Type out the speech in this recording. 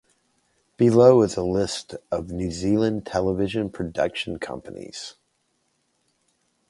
Below is a list of New Zealand television production companies.